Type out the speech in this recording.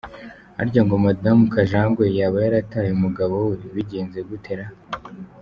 Harya ngo Madame Kajangwe yaba yarataye umugabo we bigenze gute raa?